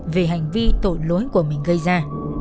về hành vi tội lỗi của mình gây ra